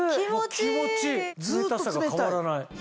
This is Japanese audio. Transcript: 気持ちいい冷たさが変わらない。